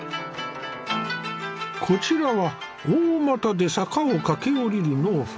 こちらは大股で坂を駆け下りる農夫。